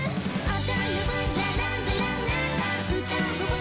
あ？